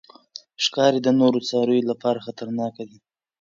ښکاري د نورو څارویو لپاره خطرناک دی.